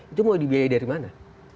itu mau dibiayai dari mana